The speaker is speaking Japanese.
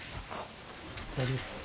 大丈夫ですか？